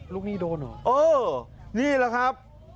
หนี้โดนเหรอเออนี่แหละครับ